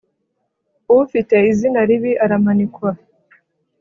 ufite izina ribi aramanikwa.